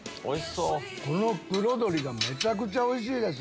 この黒鶏がめちゃくちゃおいしいです。